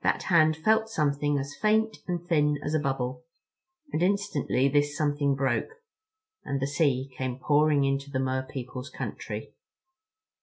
That hand felt something as faint and thin as a bubble—and instantly this something broke, and the sea came pouring into the Mer people's country.